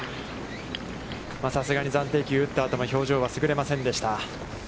さすがに暫定球打ったあとの表情はすぐれませんでした。